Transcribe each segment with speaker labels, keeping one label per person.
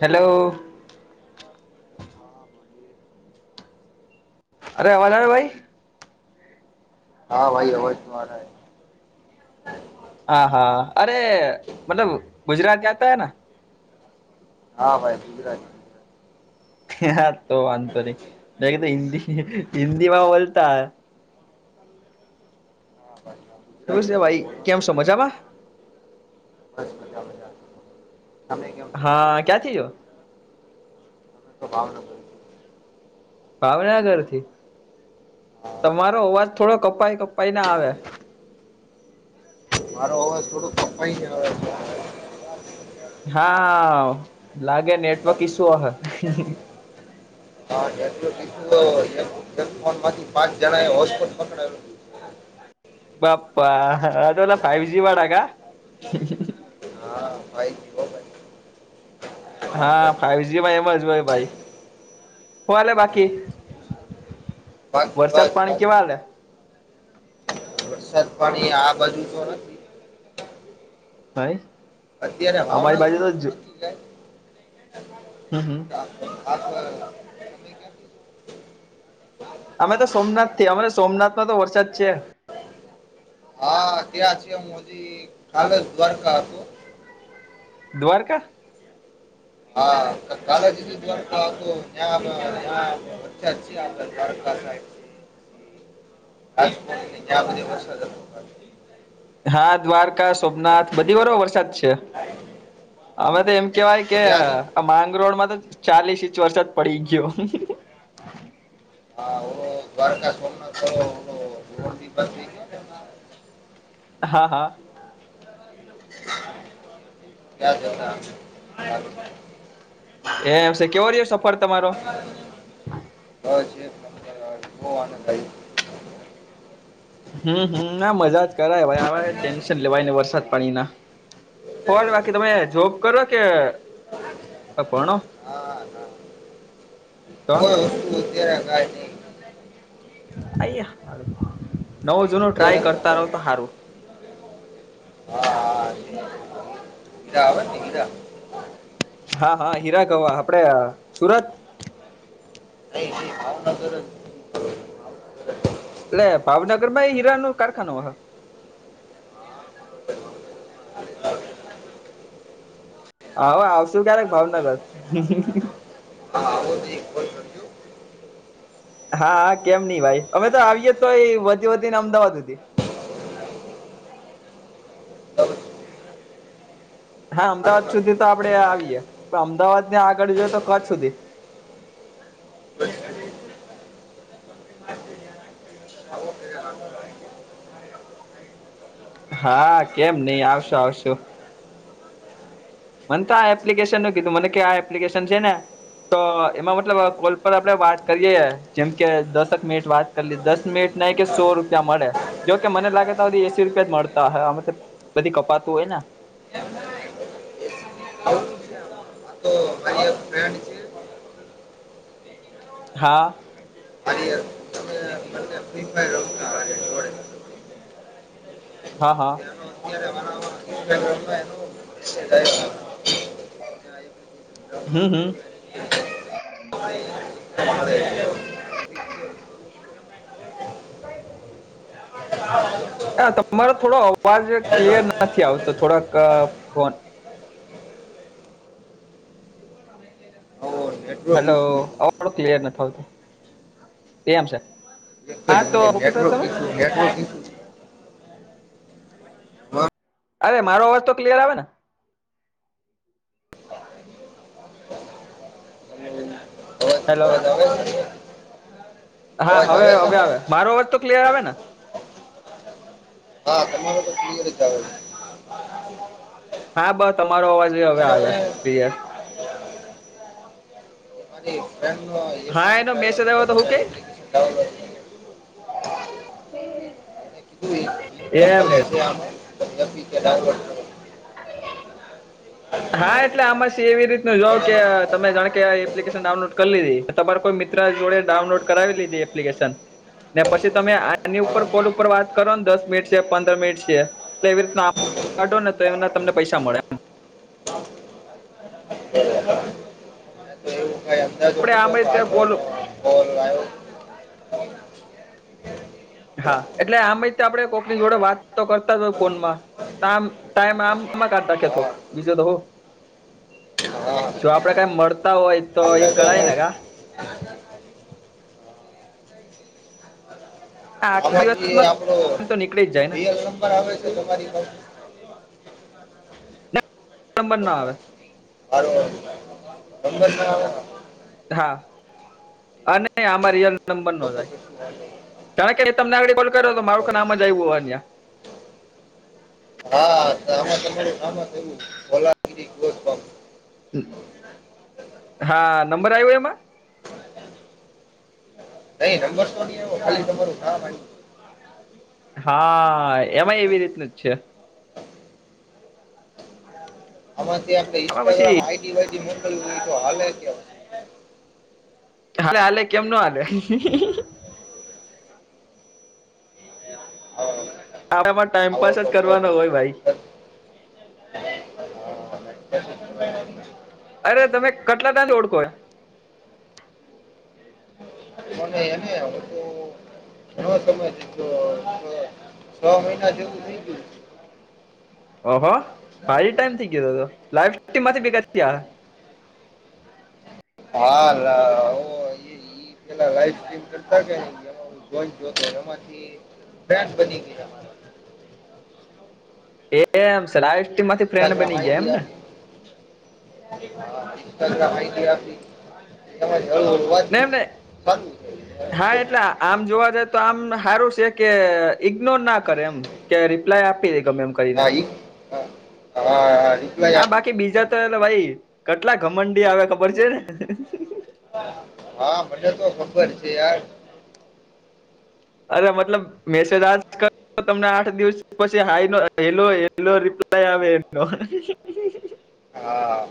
Speaker 1: Hello. અરે આવાજ આવે ભાઈ?
Speaker 2: હા ભાઈ અવાજ તમારા.
Speaker 1: હા હા અરે મતલબ ગુજરાત જાતા હે ના.
Speaker 2: હા ભાઈ ગુજરાત.
Speaker 1: હ તો વાંધતો નહી તો હિન્દી હિન્દી મા બોલતા.
Speaker 2: હા ભસ [unintelligible]
Speaker 1: શું છે ભાઈ કેમ છો મજામાં?
Speaker 2: બસ મજા મજા તમે કેમ. છો
Speaker 1: હા
Speaker 2: મજામાં
Speaker 1: ક્યાં
Speaker 2: અમે
Speaker 1: થી છો?
Speaker 2: તો ભાવનગર
Speaker 1: ભાવનગર થી
Speaker 2: હા
Speaker 1: તમારો અવાજ થોડો કપાઈ કપાઈ ના આવે.
Speaker 2: મારો અવાજ થોડોક કપાઈ જ આવે.
Speaker 1: હા લાગે નેટવર્ક ઈસ્યુ હ.
Speaker 2: [unintelligible] ફોન માથી પાંચ જણા એ હોટસ્પોટ પકડાયો.
Speaker 1: બાપા અલા ફાઈવ જી બાડગ
Speaker 2: હા ભાઈ જ હો ભાઈ
Speaker 1: હા ફાઈવજીમાં એમજ હોય ભાઈ ફલે બાકી
Speaker 2: બાકી બસ
Speaker 1: વર્ષત પાણી
Speaker 2: શાંતિ
Speaker 1: કેવા
Speaker 2: છે
Speaker 1: હાલે.
Speaker 2: પણણી આ બાજુ તો.
Speaker 1: હ
Speaker 2: અત્યારે
Speaker 1: અમારી બાજુ
Speaker 2: ભાવનગરમાં
Speaker 1: તો
Speaker 2: નથી કાંઈ
Speaker 1: હમ હમ.
Speaker 2: [unintelligible]
Speaker 1: અમે તો સોમનાથ થી અમારે સોમનાથમાં તો વરસાદ છે.
Speaker 2: હા તે આ છે એ મોદી કલેજ દ્વારકા હત
Speaker 1: દ્વારકા.
Speaker 2: કાલેજી દ્વાર તો્યા્યા વચા આ દ્વારકા
Speaker 1: [inaudible]
Speaker 2: [unintelligible]
Speaker 1: હા દ્વારકા સોમનાથ બધી બરો વરસાદ છે
Speaker 2: હા
Speaker 1: અમે તો એમ કેવાય કે
Speaker 2: ત્યાં જ હતો.
Speaker 1: માંગરોળ માં તો ચાલીસ ઇંચ વરસાદ પડી ગયો.
Speaker 2: હ ઘર ક સુમના તો
Speaker 1: [inaudible]
Speaker 2: [inaudible]
Speaker 1: હા હા
Speaker 2: [inaudible] કયા જતા. [unintelligible]
Speaker 1: એમ છે કેવો ર સફર તમારો
Speaker 2: [unintelligible]
Speaker 1: હમ હમ ના મજા જ કરાય ટેન્શન લેવાય ને વરસાદ પાણી ના હો બાકી તમે જોબ કરો કે ભણો
Speaker 2: હા
Speaker 1: તો.
Speaker 2: તો અત્યારે કાય નહિ.
Speaker 1: આાર નવો જૂનું ટ્રાય કરતા રહો તો સારું
Speaker 2: હા હીરા [unintelligible]
Speaker 1: હા હા હીરા ગવા આપડે સુરત
Speaker 2: નહી ન ભાવનગર ભાવનગર
Speaker 1: એટલે ભાવનગર માં એ હીરા નો કારખાનો હ. હા આવશુ ક્યારેક ભાવનગર
Speaker 2: હા બધી એક પણજું
Speaker 1: હા કેમ નહિ ભાઈ અમે તો આવીય તો વધી વધી ને અમદાવાદ સુધી
Speaker 2: દઉં છું.
Speaker 1: હા અમદાવાદ
Speaker 2: આઠમાં
Speaker 1: સુધી તો આપડે
Speaker 2: આઠમાં
Speaker 1: આવીયએ
Speaker 2: હીરા.
Speaker 1: પણ અમદાવાદ ને આગળ જોઈએ તો કચ્છ સુધી.
Speaker 2: [unintelligible]
Speaker 1: હા કેમ નઈ આવશો આવશું. મને તો આ એપ્લિકેશન નું કીધું મને ક આ એપ્લિકેશન છે ને તો એમાં મતલબ કોલ પર આપડે વાત કરીય જેમ કે દસક મિનિટ વાત દસ મિનિટ નહી કે સો રૂપિયા મળે જોકે મને લાગેી એસી રૂપિયા જ મળતા હમ બધી કપાતું હોય ને
Speaker 2: આવું છે.
Speaker 1: [inaudible]
Speaker 2: આ તો મારી એક ફ્રેન્ડ છે
Speaker 1: હા.
Speaker 2: અરી અર તમને. એાઈ.
Speaker 1: હા હા.
Speaker 2: [unintelligible]
Speaker 1: હમ્મ હામ.
Speaker 2: કરી. મળે. [inaudible]
Speaker 1: હા તમારો થોડો અવાજ ક્લિયર નથી આવતો થોડાક ફોન
Speaker 2: આવો
Speaker 1: હલો આવડું ક્લિયર ના થો આવતું તેમ છે.
Speaker 2: એક
Speaker 1: હા
Speaker 2: જ
Speaker 1: તો
Speaker 2: મિનિટ
Speaker 1: હું કેતા
Speaker 2: નેટવર્ક
Speaker 1: તમે
Speaker 2: ઈસુ નેટવર્ક ઈસુ. હા
Speaker 1: અરે મારો અવાજ તો ક્લિયર આવે ને. હેલો.
Speaker 2: [unintelligible]
Speaker 1: હા હવે હવે આવે મારો અવાજ તો ક્લિયર આવે ને.
Speaker 2: હા તમારો તો ક્લિયર
Speaker 1: [inaudible]
Speaker 2: જ આવે
Speaker 1: હા બસ તમારો અવાજ
Speaker 2: છે
Speaker 1: હવે
Speaker 2: એને
Speaker 1: આવે
Speaker 2: મને
Speaker 1: ક્લિયર.
Speaker 2: મારી
Speaker 1: હા એનો મેસેજ આવ્યો તો હું
Speaker 2: [unintelligible] [unintelligible]
Speaker 1: કઈ
Speaker 2: એપ્લિકેશન ડાઉનલોડ કરી
Speaker 1: એમ છે.
Speaker 2: તે આમાં તમે એપીકે ડાઉનલોડ કરો
Speaker 1: [inaudible] હા એટલે આમાં છે એવી રીતનું જોવ
Speaker 2: એને
Speaker 1: કે
Speaker 2: મને
Speaker 1: તમે જાણ કે આ એપ્લિકેશન ડાઉનલોડ કરી લીધી. તમારે કોઈ મિત્ર જોડે ડાઉનલોડ
Speaker 2: હા,
Speaker 1: કરાવી લીધી એપ્લિકેશન. ને પછી તમે આની ઉપર
Speaker 2: હા,
Speaker 1: કોલ ઉપર વાત કરો ને દસ મિનિટ છે પંદર મિનિટ છે. તો એવી રીત ના કાઢો ને તો એને તમને પૈસા મળે આમ.
Speaker 2: [inaudible] તો એવું થાય [unintelligible]
Speaker 1: આપડે આમે ત્યાં ગોલું
Speaker 2: ઓ લો [unintelligible] [unintelligible]
Speaker 1: હા એટલે આમય આપડે કોકની જોડે વાત તો કરતા જ હોય ફોન માં. ટમા ટાઈમમાં આમમાં કાઢતા કે તો
Speaker 2: હા
Speaker 1: માં વિષય તો હો.
Speaker 2: હા
Speaker 1: જો આપડે કઈ મળતા હોય તો
Speaker 2: આપણે
Speaker 1: એઈ કરાય
Speaker 2: હું
Speaker 1: ને કા. આ આખા
Speaker 2: આપણે [unintelligible] યે
Speaker 1: દિવસમાં
Speaker 2: આપડોલ
Speaker 1: તો નીકળી જ જાય ને
Speaker 2: એ નંબર આવે છે તમારી ઉપર.
Speaker 1: નંબર ના આવે.
Speaker 2: નંબરના
Speaker 1: હા અને આમાં રયલ નંબર નો જાય.
Speaker 2: રહેલી
Speaker 1: કારણ કે તમને આઈડી કોલ કરો તો મારું કા નામ જ આવ્યું હોય ત્યાં.
Speaker 2: હા તમે તમારું નામ જ એવું [unintelligible]
Speaker 1: હામ હા નંબર આવ્યો એમાં.
Speaker 2: નહી નંબર તો નહીં આવ્યું ખાલી તમારુ નામ આવ્યું.
Speaker 1: હા એમાં એવી રીતનું જ છે.
Speaker 2: આમાંથી આપણે
Speaker 1: આમાં
Speaker 2: ઇન્સ્ટાગ્રામ
Speaker 1: પછી
Speaker 2: આઈડી વાઈડી મોકલવી હોય તો હાલે કે.
Speaker 1: હાલે હાલે કેમ નો હાલે [unintelligible]
Speaker 2: હા.
Speaker 1: આનામાં ટાઈમપાસ જ કરવાનો હોય ભાઈ. અરે તમે કટલા તને ઓળખો યા.
Speaker 2: મને એને આવડતું હણવા સમય તો. છ મહિના જેવું થઈ ગયું.
Speaker 1: ઓહો ભારી ટાઈમ થઈ ગયો હતો લાઈફ [unintelligible] માંથી બીગડતી હોય.
Speaker 2: હા લા ઓ ફતા ક કોઈ જો તોરો માંથી બેસ બની ગયા
Speaker 1: એમ સરી માંથી ફ્રેન્ડ બની ગયા એમ ને
Speaker 2: હ માહિતી આપી તમા હળ હળ
Speaker 1: ને
Speaker 2: વાતચી
Speaker 1: એમને હા એટલે આમ જોવા જાય તો આમ સારું છે કે ઈગ્નોર ના કરે એમ કે રિપ્લાય આપી દે ગમે એમ કરીને
Speaker 2: ઈ હા હા હા
Speaker 1: હા
Speaker 2: આપી
Speaker 1: બાકી
Speaker 2: તી
Speaker 1: બીજા
Speaker 2: ઇગ્નોર
Speaker 1: તો
Speaker 2: ના
Speaker 1: એ ભાઈ
Speaker 2: કરે
Speaker 1: કેટલા ઘમંડી આવે ખબર છે ને
Speaker 2: હા ભલે તો ખબર છે યાર
Speaker 1: અરે મતલબ મેસે દજ ક તમને આઠ દિવસ પછી હાઈ હેલો હેલો રિપ્લાય આવે
Speaker 2: હા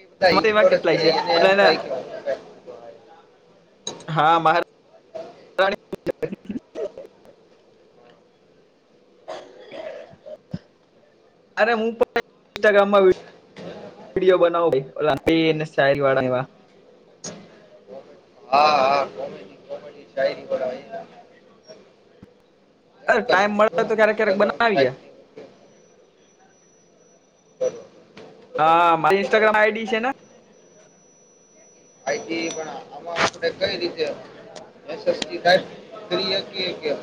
Speaker 2: એ બધા
Speaker 1: હ એમાં
Speaker 2: ઇગ્નોર જ
Speaker 1: કેટલાય
Speaker 2: કરે
Speaker 1: છે મટલે
Speaker 2: એમ
Speaker 1: એને
Speaker 2: થાય કે હું કાંઈ ખોટો આવ્યો.
Speaker 1: હા મહારા [inaudible] અરે હું પણ ટ ગામમાં વિડીયો બનાવો સ્ટાાઈલ વાળા એ
Speaker 2: હા હા ગાયર કરય
Speaker 1: અરે ટાઈમ મળે તો ક્યારેક ક્યારેક
Speaker 2: ઇન્સ્ટાગ્રામ
Speaker 1: બનાવીએ
Speaker 2: સાઇટનો ઉપયોગ કરવો
Speaker 1: હા મા ઇન્સ્ટાગ્રામ આઈડી છે ને
Speaker 2: આઈટી આમાં આપડે કઈ [inaudible]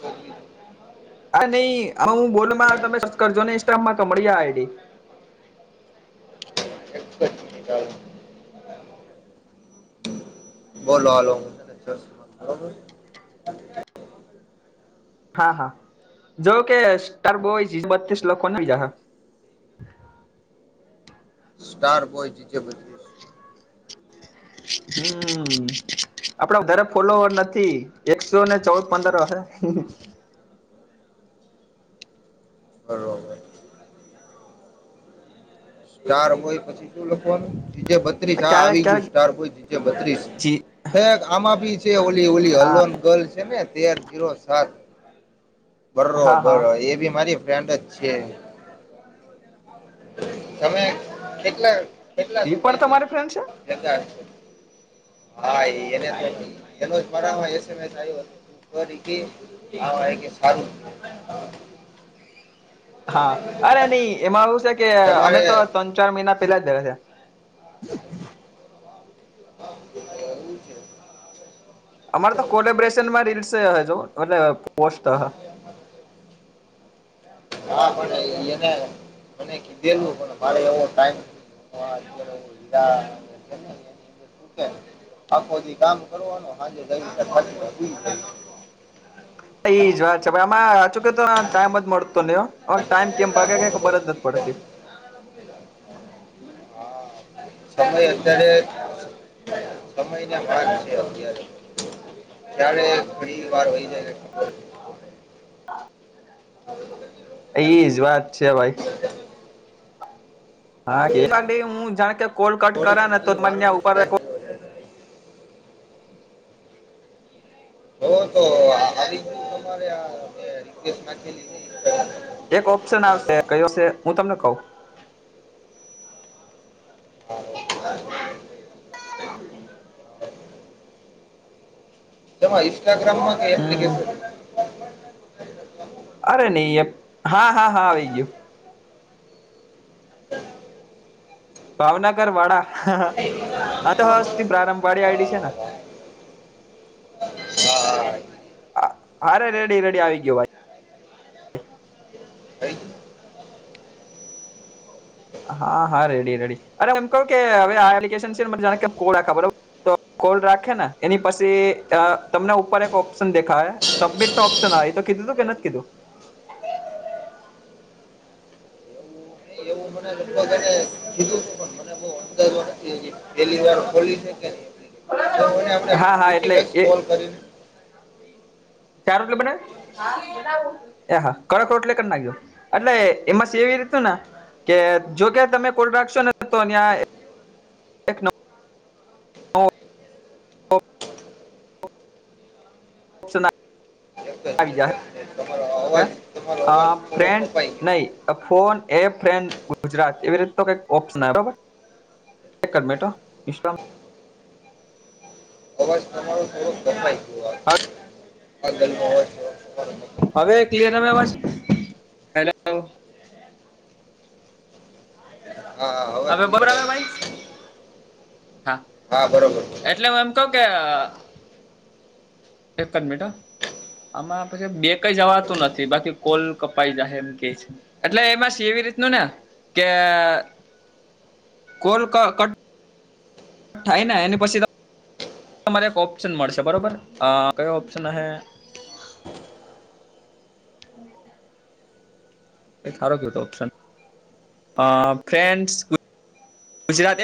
Speaker 2: બોલવી
Speaker 1: હા નઈ હ હું બોલ તમે કરજો ને ઇન્સ્ટામમાં કમડીી આ આઈડી
Speaker 2: ચ બોલો હાલો બરોબર
Speaker 1: હા હા જો કે સ્ટાર બોય બસ લખ બીજા
Speaker 2: સ્ટાર બોય જીજપ
Speaker 1: હમ આપડ વધારે ફોલોવર નથી એકસો ને ચૌદ પંદર વા
Speaker 2: કરો સ્ટાર હોય પછી શું લખવાનું જીજે બત્રીસ હા
Speaker 1: ક્યારેક
Speaker 2: આવી ગયું
Speaker 1: ક્યારેક
Speaker 2: સ્ટારયીજે બત્રીસ
Speaker 1: જી
Speaker 2: આમાં બી છે ઓલી ઓલી
Speaker 1: હા
Speaker 2: હલોન ગલ છે ને તે ીરો સાત બરો
Speaker 1: હા હા
Speaker 2: બરોર એ બી મારી ફ્રેન્ડ જ છે તમે કેટલા
Speaker 1: ઈ પડ તમારી ફ્રેન્ડ છે
Speaker 2: હાને તો એનોરા કર આવ આ સારું
Speaker 1: હા અરે નહી એમાં એું છે કે અમે
Speaker 2: તમારે
Speaker 1: તો ત્રણ ચાર મહિના પેલા જ ગયા છે
Speaker 2: હા એવું છે
Speaker 1: અમારે તો કોલેબરેશન માં રીલ્સ હ જો એટલે પોસ્ટ
Speaker 2: હા પણ એને મને કીધેલું પણ મારે એવો ટાઈમ [inaudible] આખો જે કામ કરવાનું સાંજે
Speaker 1: એ જ વાત છે, આમાં સાચુ કે તો ટાઈમ જ મળતો નહી ટાઈમ કેમ ભાગે કે ખબર જ ન પડતી.
Speaker 2: હા સમય અત્યારે સમયના ભાગ છે અત્યારે. ત્યારે ઘડી વાર હોય જાયને ખબર [inaudible]
Speaker 1: એજ વાત છે ભાઈ. હા હ જાણ કે કોલ કટ
Speaker 2: થોડી
Speaker 1: કરે ને તો
Speaker 2: ઘણી વારમાં જ
Speaker 1: ઉપર
Speaker 2: પૂરો થઈ [inaudible]
Speaker 1: એક ઓપ્શન આવશે કયો હશે હું તમને કઉં.
Speaker 2: [inaudible] એમાં ઇન્સ્ટાગ્રામમાં કે
Speaker 1: હમ
Speaker 2: એપ્લિકેશન
Speaker 1: અરે નહી હા, હા, હા આવી ગયું. ભાવનગર વાડા તો હસ્તી પ્રારંભવાડી આઈડી છે.
Speaker 2: હા વાહ. હા
Speaker 1: હા રેડી રેડી આવી ગયો ભાઈ.
Speaker 2: થઈ ગયું?
Speaker 1: હા હા રેડી રેડી અરે એમ કહું કે હવે [unintelligible] છે તો કોલ રાખે ને એની પછી તમને ઉપર એક ઓપ્શન દેખાહે. સબમિટ નો ઓપ્શન એ તો કીધું કે નથી કીધું?
Speaker 2: એવું નહીં એવું મને લગભગ હે ને. કીધું હતું પણ મને બહું અનદાજો નથી હજી. પેહેલી વાર ખોલી છે કે નહી એને આપણે
Speaker 1: હા હા
Speaker 2: પુછી
Speaker 1: એટલે
Speaker 2: લઈશ
Speaker 1: એ
Speaker 2: કોલ કરીને.
Speaker 1: [unintelligible] હા કડક રોટલી કરી નાખજો એટલે એમાં સ એવી રીતું ને કે જોકે તમે કોલ રાખશો ને તો [unintelligible] એક નવો ઓપ્શન
Speaker 2: તમારો અવાજ તમારો અવાજ
Speaker 1: આ
Speaker 2: થોડો
Speaker 1: ફ્રેડ
Speaker 2: કપાઈ ગયો
Speaker 1: નહી ફોન એ ફેન ગુજરાત એવી રીતે તો કઈક ઓપ્શન બરોબર. [unintelligible]
Speaker 2: અવાજ તમારો થોડુંક કપાઈ ગયો. [unintelligible] કપાઈ ગયો.
Speaker 1: હવે ક્લિયર આવે અવાજ હેલો.
Speaker 2: હા હા
Speaker 1: હવે બરાબર
Speaker 2: ક્લિયર
Speaker 1: આવે
Speaker 2: આવી
Speaker 1: ભાઈ, હા.
Speaker 2: હા બરોબર.
Speaker 1: એટલે હું એમ કહું કે એક જ મિનિટ હ. આમાં પછી બે કઈ જવાતું નથી બાકી કોલ કપાઈ જાય એમ કે છે. એટલે એમાં એવી રીતનું ને કે કોલ કટ થાય ને એની પછી તમારે એક ઓપ્શન મળશે બરોબર કયો ઓપ્શન હ. [unintelligible] ગુજરાતી